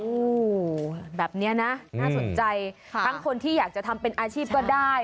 โอ้โหแบบนี้นะน่าสนใจทั้งคนที่อยากจะทำเป็นอาชีพก็ได้